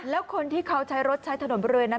แล้วคนที่เขาใช้รถใช้ถนนไปเลยนะ